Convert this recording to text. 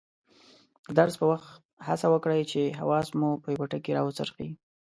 د درس په وخت هڅه وکړئ چې حواس مو په یوه ټکي راوڅرخي.